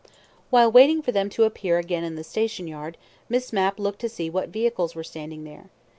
While waiting for them to appear again in the station yard, Miss Mapp looked to see what vehicles were standing there.